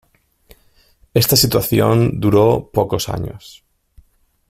Esta situación duró pocos años.